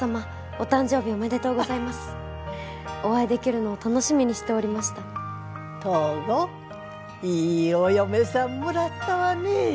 お誕生日おめでとうございますお会いできるのを楽しみにしておりました東郷いいお嫁さんもらったわね